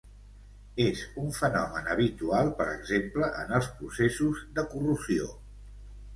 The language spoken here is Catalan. És un fenomen habitual, per exemple, en els processos de corrosió.